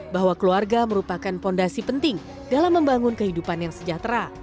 bahwa keluarga merupakan fondasi penting dalam membangun kehidupan yang sejahtera